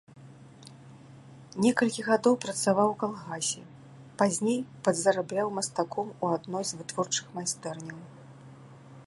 Некалькі гадоў працаваў у калгасе, пазней падзарабляў мастаком у адной з вытворчых майстэрняў.